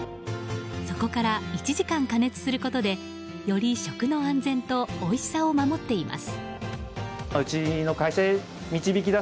そこから１時間加熱することでより食の安全とおいしさを守っています。